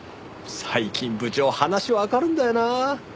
最近部長話わかるんだよなあ。